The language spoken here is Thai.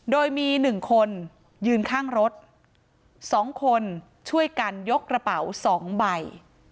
โดยมี๑คนยืนข้างรถ๒คนช่วยกันยกกระเป๋า๒ใบ